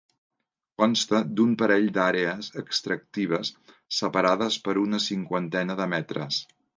Consta d'un parell d'àrees extractives separades per una cinquantena de metres.